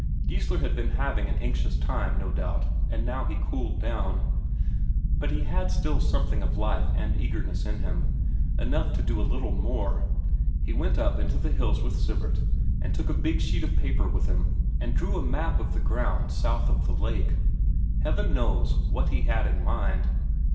Geissler had been having an anxious time, no doubt, and now he cooled down. But he had still something of life and eagerness in him, enough to do a little more; he went up into the hills with Sivert, and took a big sheet of paper with him, and drew a map of the ground south of the lake Heaven knows what he had in mind.